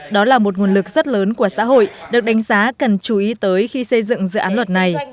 đó là một nguồn lực rất lớn của xã hội được đánh giá cần chú ý tới khi xây dựng dự án luật này